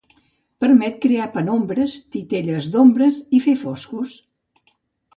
Permet crear penombres, titelles d'ombres i fer foscos.